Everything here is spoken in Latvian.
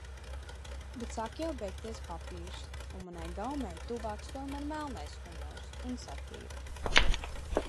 Bet sāk jau beigties papīrs, un manai gaumei tuvāks tomēr melnais humors un satīra.